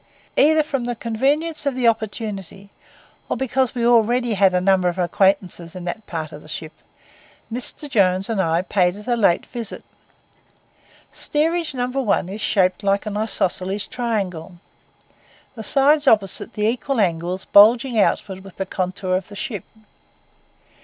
Either from the convenience of the opportunity, or because we had already a number of acquaintances in that part of the ship, Mr. Jones and I paid it a late visit. Steerage No. 1 is shaped like an isosceles triangle, the sides opposite the equal angles bulging outward with the contour of the ship.